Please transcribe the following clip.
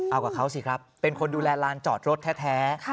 เอากับเขาสิครับเป็นคนดูแลลานจอดรถแท้